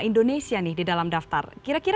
indonesia nih di dalam daftar kira kira